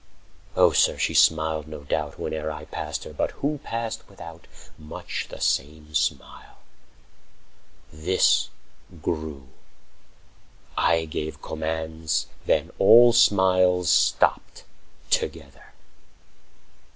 Oh, sir, she smiled, no doubt, Whene'er I passed her; but who passed without Much the same smile? This grew; I gave commands;45 Then all smiles stopped together.